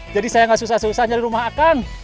jadi saya gak susah susah nyari rumah a kang